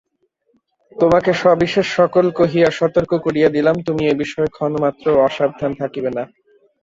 তোমাকে সবিশেষ সকল কহিয়া সতর্ক করিয়া দিলাম তুমি এ বিষয়ে ক্ষণমাত্রও অসাবধান থাকিবে না।